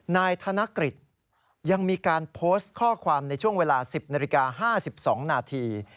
นายธนกฤษยังมีการโพสต์ข้อความในช่วงเวลา๑๐นาฬิกา๕๒นาที